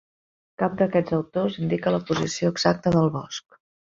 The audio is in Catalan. Cap d'aquests autors indica la posició exacta del bosc.